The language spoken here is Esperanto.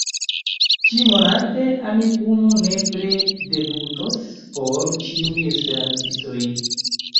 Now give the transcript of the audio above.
Ĉi-monate, Amikumu nepre debutos por ĉiuj esperantistoj.